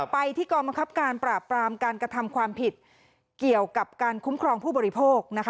ไปที่กองบังคับการปราบปรามการกระทำความผิดเกี่ยวกับการคุ้มครองผู้บริโภค